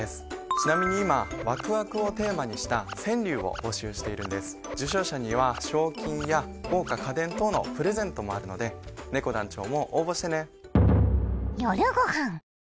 ちなみに今「わくわく」をテーマにした川柳を募集しているんです受賞者には賞金や豪華家電等のプレゼントもあるのでねこ団長も応募してね。